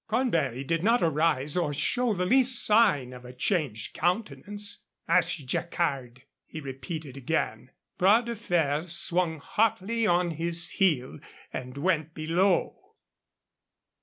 Cornbury did not arise or show the least sign of a changed countenance. "Ask Jacquard," he repeated again. Bras de Fer swung hotly on his heel and went below.